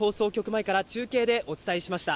前から中継でお伝えしました。